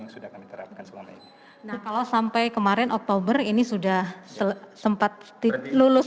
sudah kami terapkan selama ini nah kalau sampai kemarin oktober ini sudah sempat lulus